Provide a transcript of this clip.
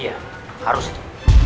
iya harus itu